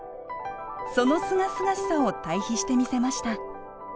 そのすがすがしさを対比してみせました。